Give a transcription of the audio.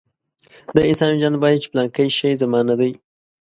د انسان وجدان وايي چې پلانکی شی زما نه دی.